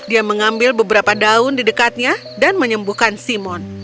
dia mengambil beberapa daun di dekatnya dan menyembuhkan simon